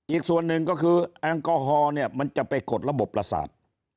อีกส่วนหนึ่งก็คือแอลกอฮอล์เนี่ยมันจะไปกดระบบประสาท